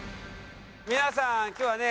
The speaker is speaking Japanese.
皆さん今日はね